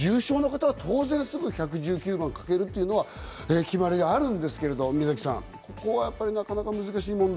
重症の方はすぐに１１９番へかけるというのは決まりであるんですけれども、なかなか難しい問題。